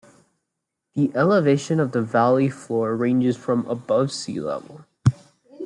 The elevation of the valley floor ranges from above sea level.